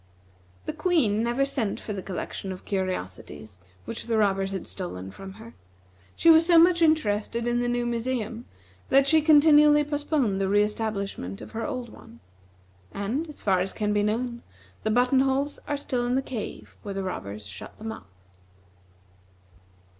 The Queen never sent for the collection of curiosities which the robbers had stolen from her. She was so much interested in the new museum that she continually postponed the re establishment of her old one; and, as far as can be known, the button holes are still in the cave where the robbers shut them up.